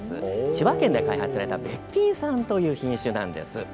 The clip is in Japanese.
千葉県で開発されたべっぴんさんという品種なんです。